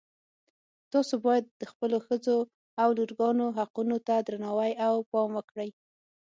تاسو باید د خپلو ښځو او لورګانو حقونو ته درناوی او پام وکړئ